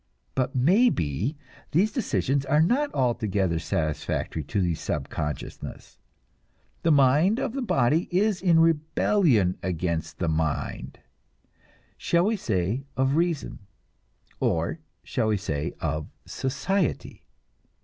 But maybe these decisions are not altogether satisfactory to the subconsciousness. The mind of the body is in rebellion against the mind shall we say of reason, or shall we say of society?